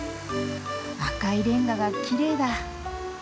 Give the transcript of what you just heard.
赤いレンガがきれいだ。